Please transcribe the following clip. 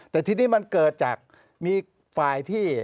แต่ทีนี้มันเกิดจากมีฝ่ายที่